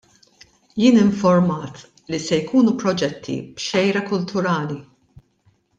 Jien informat li se jkunu proġetti b'xejra kulturali.